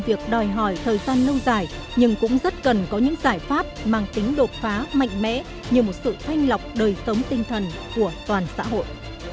việc đòi hỏi thời gian lâu dài nhưng cũng rất cần có những giải pháp mang tính đột phá mạnh mẽ như một sự thanh lọc đời sống tinh thần của toàn xã hội